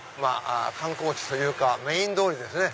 観光地というかメイン通りですね。